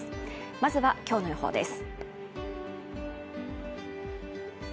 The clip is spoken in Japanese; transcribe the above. まずは今日の予報です。